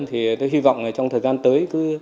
thì tôi hy vọng trong thời gian tới